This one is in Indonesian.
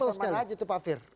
jadi kawasan mana aja tuh pak fir